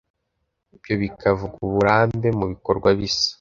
ibyo bikavuga uburambe mu bikorwa bisa